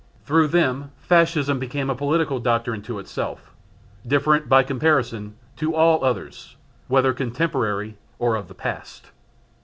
Through them Fascism became a political doctrine to itself, different, by comparison, to all others whether contemporary or of the past.